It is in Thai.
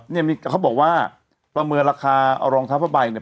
เนี่ยเขาบอกว่าประเมินราคาเอารองทัพไปเนี่ย